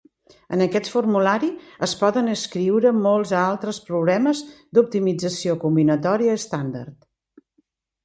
En aquest formulari es poden escriure molts altres problemes d'optimització combinatòria estàndard.